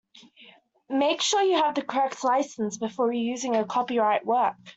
Make sure you have the correct licence before reusing a copyright work